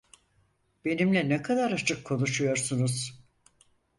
Benimle ne kadar açık konuşuyorsunuz!